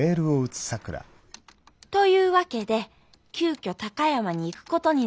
「というわけで急きょ高山に行くことになりました。